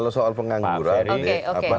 kalau soal pengangguran